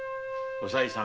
おさいさん